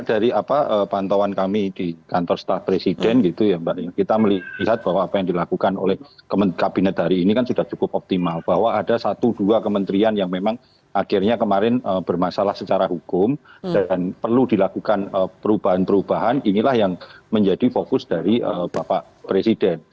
dari apa pantauan kami di kantor staf presiden gitu ya mbak kita melihat bahwa apa yang dilakukan oleh kabinet hari ini kan sudah cukup optimal bahwa ada satu dua kementerian yang memang akhirnya kemarin bermasalah secara hukum dan perlu dilakukan perubahan perubahan inilah yang menjadi fokus dari bapak presiden